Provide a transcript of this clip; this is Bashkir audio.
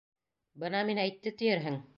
Бына мин әйтте тиерһең!